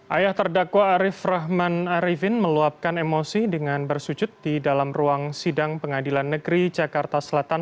ayah terdakwa arief rahman arifin meluapkan emosi dengan bersujud di dalam ruang sidang pengadilan negeri jakarta selatan